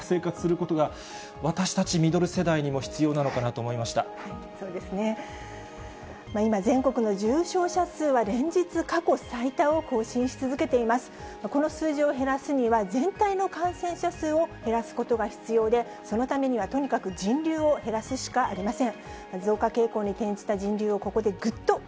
この数字を減らすには、全体の感染者数を減らすことが必要で、そのためには、とにかく人流を減らすしかありません。